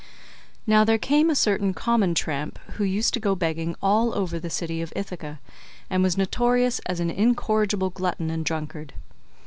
Now there came a certain common tramp who used to go begging all over the city of Ithaca, and was notorious as an incorrigible glutton and drunkard.